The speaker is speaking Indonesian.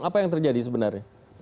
apa yang terjadi sebenarnya